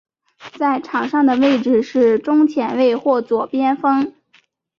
在场上的位置是中前卫或左边锋。